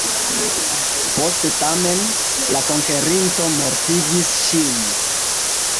Poste tamen, la konkerinto mortigis ŝin.